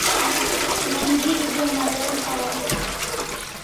Malgeri bo malal hawaw